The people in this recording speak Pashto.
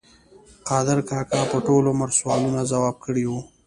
قادر کاکا په ټول عمر سوالونه ځواب کړي وو.